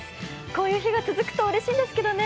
こういう日が続くとうれしいんですけどね。